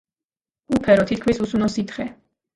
უფერო თითქმის უსუნო სითხე.